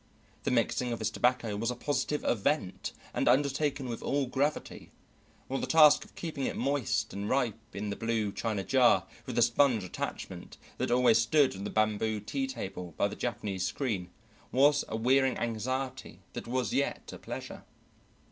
The mixing of his tobacco was a positive event and undertaken with all gravity, while the task of keeping it moist and ripe in the blue china jar, with the sponge attachment, that always stood on the bamboo tea table by the Japanese screen, was a wearing anxiety that was yet a pleasure.